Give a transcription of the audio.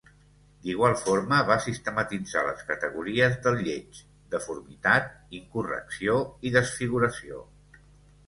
D'igual forma, va sistematitzar les categories del lleig: deformitat, incorrecció i desfiguració.